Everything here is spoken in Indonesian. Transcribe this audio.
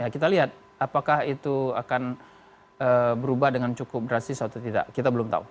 kita lihat apakah itu akan berubah dengan cukup drastis atau tidak kita belum tahu